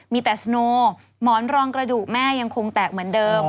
มีแต่สโนหมอนรองกระดูกแม่ยังคงแตกเหมือนเดิม